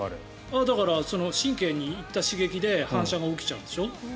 神経に行った刺激で反射が起きちゃうんでしょ？